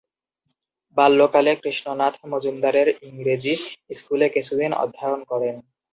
বাল্যকালে কৃষ্ণনাথ মজুমদারের ইংরেজি স্কুলে কিছুদিন অধ্যয়ন করেন।